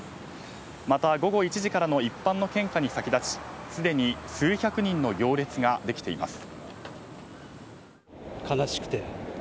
また、午後１時からの一般の献花に先立ちすでに数百人の行列ができています。